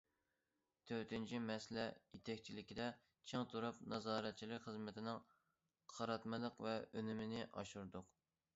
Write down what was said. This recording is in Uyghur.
تۆتىنچى، مەسىلە يېتەكچىلىكىدە چىڭ تۇرۇپ، نازارەتچىلىك خىزمىتىنىڭ قاراتمىلىقى ۋە ئۈنۈمىنى ئاشۇردۇق.